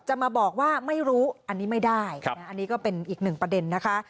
จะมาบอกว่าไม่รู้อันนี้ไม่ได้อันนี้ก็เป็นอีกหนึ่งประเด็นนะคะ